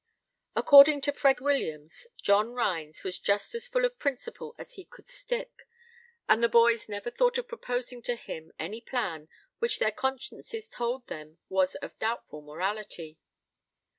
According to Fred Williams, John Rhines was just as full of principle as he could stick; and the boys never thought of proposing to him any plan which their consciences told them was of doubtful morality.